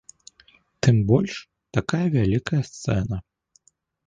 Тым больш, такая вялікая сцэна.